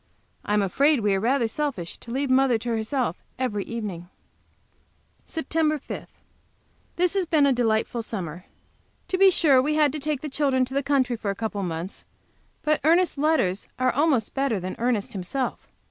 I am afraid we are rather selfish to leave mother to herself every evening. SEPT. 5. This has been a delightful summer. To be sure, we had to take the children to the country for a couple of months, but Ernest's letters are almost better than Ernest himself.